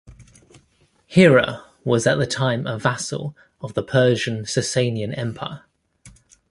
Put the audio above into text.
Hira was as the time a vassal of the Persian Sasanian Empire.